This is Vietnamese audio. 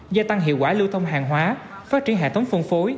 gia tăng hiệu quả lưu thông hàng hóa phát triển hệ thống phân phối